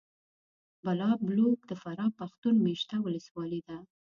بالابلوک د فراه پښتون مېشته ولسوالي ده .